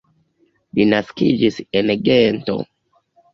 Li naskiĝis en Gento.